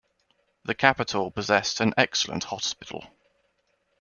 The capital possessed an excellent hospital.